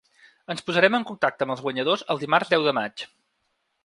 Ens posarem en contacte amb els guanyadors el dimarts deu de maig.